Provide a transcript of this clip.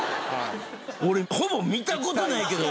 俺ほぼ見たことないけど分かるもん！